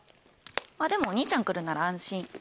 まぁでもお兄ちゃん来るなら安心。